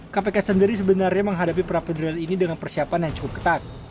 kpk sendiri sebenarnya menghadapi pra peradilan ini dengan persiapan yang cukup ketat